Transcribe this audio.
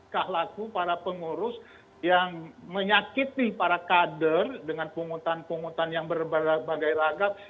kahlaku para pengurus yang menyakiti para kader dengan pungutan pungutan yang berbagai ragam